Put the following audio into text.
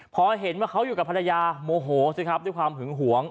พอเห็นว่าเขาอยู่กับภรรยาโมโหสิครับด้วยความหึงหวง